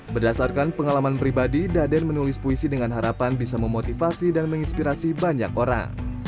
berdasarkan pengalaman pribadi daden menulis puisi dengan harapan bisa memotivasi dan menginspirasi banyak orang